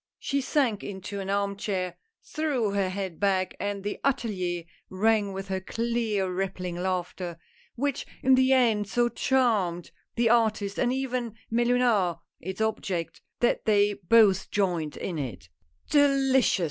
She sank into an arm chair, threw her head back and the atelier rang with her clear rippling laughter, which in the end so charmed the artist and even Mellunard — its object — that they both joined in it. '148 A NEW ASPIRANT. "Delicious!"